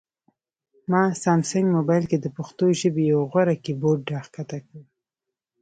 ما سامسنګ مبایل کې د پښتو ژبې یو غوره کیبورډ راښکته کړ